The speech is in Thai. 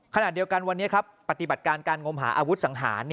ขณะเดียวกันวันนี้ครับปฏิบัติการการงมหาอาวุธสังหาร